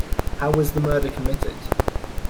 How was the murder committed?